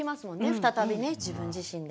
再びね自分自身で。